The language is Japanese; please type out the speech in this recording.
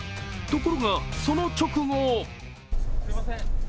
ところが、その直後。